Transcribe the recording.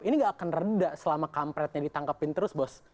ini gak akan reda selama kampretnya ditangkapin terus bos